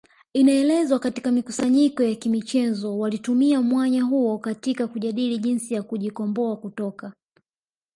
Inaelezwa katika mikusanyiko ya kimichezo walitumia mwanya huo katika kujadili jinsi ya kujikomboa kutoka